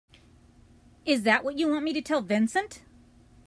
Is that what you want me to tell Vincent?